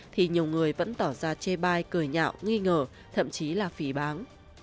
thì nhiều người vẫn tỏ ra chê bai cờ nhạo nghi ngờ thậm chí là phỉ bán